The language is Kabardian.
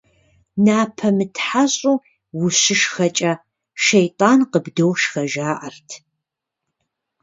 Напэ мытхьэщӀу ущышхэкӏэ, щейтӀан къыбдошхэ, жаӀэрт.